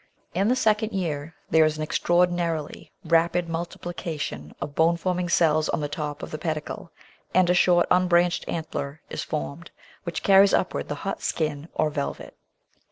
In the second year there is an extra ordinarily rapid multiplication of bone forming cells on the top of the pedicle, and a short unbranched antler is formed, which carries upwards the hot skin or "velvet."